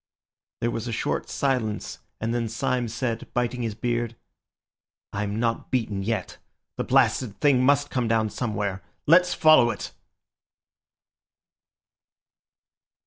There was a short silence, and then Syme said, biting his beard— "I'm not beaten yet. The blasted thing must come down somewhere. Let's follow it!"